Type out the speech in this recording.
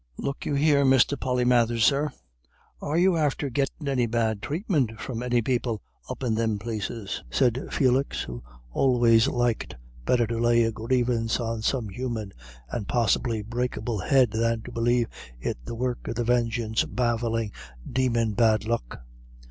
"Look you here, Mr. Polymathers, sir, are you after gittin' any bad thratment from any people up in thim places?" said Felix, who always liked better to lay a grievance on some human and possibly breakable head than to believe it the work of the vengeance baffling demon bad luck.